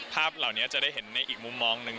ภาพเหล่านี้จะได้เห็นในอีกมุมมองหนึ่ง